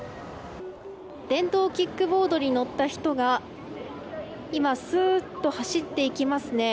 電動キックボードに乗った人が今、すーっと走っていきますね。